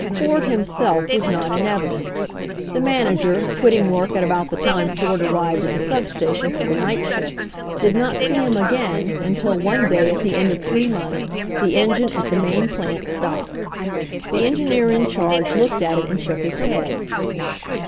Ford himself was not in evidence. The man ager, quitting work at about the time Ford ar rived at the sub station for the night shift, did not see him again until one day at the end of three , months'* the engine at the main plant stopped. The engineer in charge looked at it and shook his head.